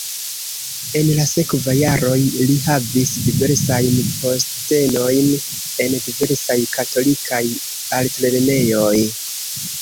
En la sekvaj jaroj li havis diversajn postenojn en diversaj katolikaj altlernejoj.